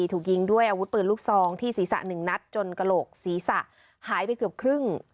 ถูกยิงด้วยอาวุธปืนลูกซองที่ศีรษะหนึ่งนัดจนกระโหลกศีรษะหายไปเกือบครึ่ง